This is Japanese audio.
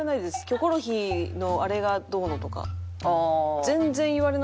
『キョコロヒー』のあれがどうのとか。